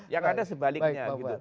yang ada sebaliknya gitu